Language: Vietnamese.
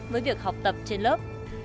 với việc học tập trên lớp